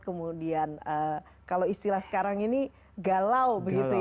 kemudian kalau istilah sekarang ini galau